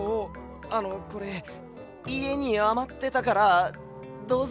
あのこれいえにあまってたからどうぞ。